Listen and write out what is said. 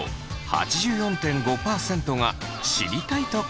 ８４．５％が知りたいと答えました。